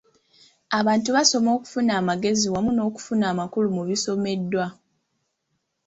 Abantu basoma okufuna amagezi wamu n’okufuna amakulu mu bisomeddwa.